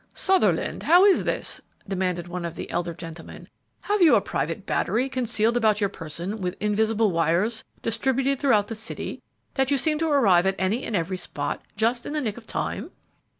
"Sutherland, how is this?" demanded one of the elder gentlemen. "Have you a private battery concealed about your person with invisible wires distributed throughout the city, that you seem to arrive at any and every spot just on the nick of time?"